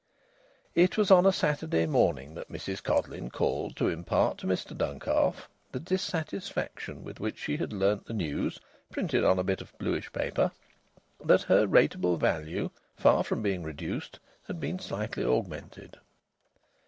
It was on a Saturday morning that Mrs Codleyn called to impart to Mr Duncalf the dissatisfaction with which she had learned the news (printed on a bit of bluish paper) that her rateable value, far from being reduced, had been slightly augmented.